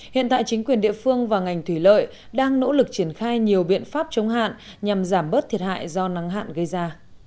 hiện tại chính quyền địa phương và ngành thủy lợi đang nỗ lực triển khai nhiều biện pháp chống hạn nhằm giảm bớt thiệt hại do nắng hạn gây ra